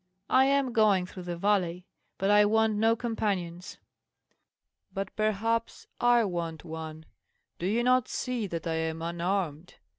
"I am going through the valley, but I want no companions." "But perhaps I want one. Do you not see that I am unarmed?